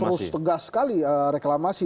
terus tegas sekali reklamasi